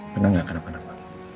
pernah gak kena kenapa